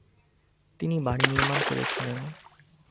তিনি বাড়ি নির্মাণ করেছিলেন।